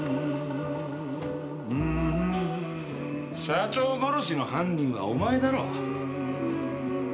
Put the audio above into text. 社長殺しの犯人はお前だろ？